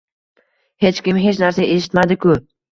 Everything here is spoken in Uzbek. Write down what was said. Hech kim hech narsa eshitmadi-ku